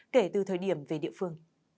kể từ thời điểm về địa phương